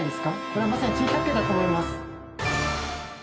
これはまさに珍百景だと思います！